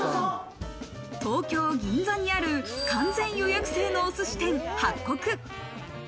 東京・銀座にある、完全予約制のお寿司店、はっこく。